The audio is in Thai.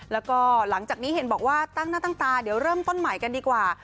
แล้วก็หลังจากนี้เห็นบอกว่าตั้งหน้าตั้งตาเดี๋ยวเริ่มต้นใหม่กันดีกว่า